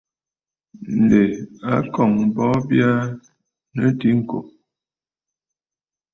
Ǹdè a kɔ̀ŋə̀ bɔɔ bya aa diŋkò.